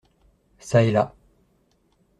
Çà et là.